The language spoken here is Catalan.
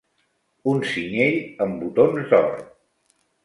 Un cinyell amb botons d'or.